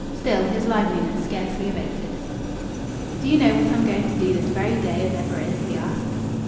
Still, his liveliness scarcely abated. "Do you know what I'm going to do this very day as ever is?" he asked.